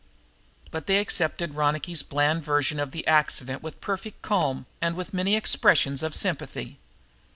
But they accepted Ronicky's bland version of the accident with perfect calm and with many expressions of sympathy.